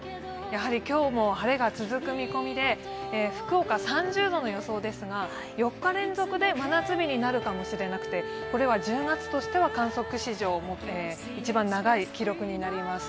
今日も晴れが続く見込みで、福岡３０度の予想ですが、４日連続で真夏日になるかもしれなくてこれは１０月としては観測史上一番長い記録になります。